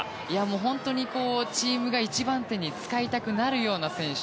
本当にチームが一番手に使いたくなるような選手。